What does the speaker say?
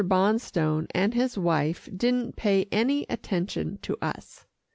Bonstone and his wife didn't pay any attention to us.